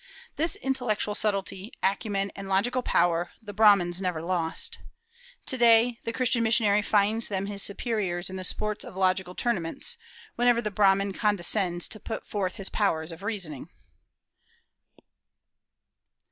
This intellectual subtlety, acumen, and logical power the Brahmans never lost. To day the Christian missionary finds them his superiors in the sports of logical tournaments, whenever the Brahman condescends to put forth his powers of reasoning.